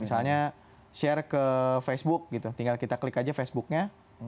misalnya share ke facebook gitu tinggal kita klik aja facebooknya